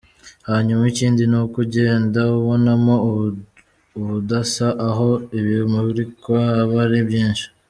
Hanyuma ikindi ni uko ugenda ubonamo ubudasa, aho ibimurikwa aba ari byinshi.